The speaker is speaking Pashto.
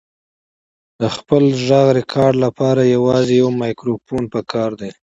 د خپل غږ ریکارډ لپاره یوازې یو مایکروفون پکار دی.